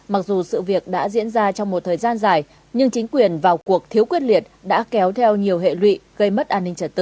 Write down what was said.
mặc dù sự việc đã diễn ra trong một thời gian dài nhưng chính quyền vào cuộc thiếu quyết liệt đã kéo theo nhiều hệ lụy gây mất an ninh trật tự